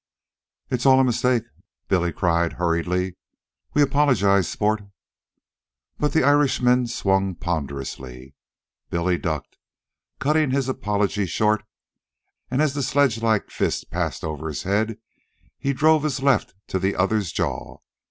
"It's all a mistake," Billy cried hurriedly. "We apologize, sport " The Irishman swung ponderously. Billy ducked, cutting his apology short, and as the sledge like fist passed over his head, he drove his left to the other's jaw.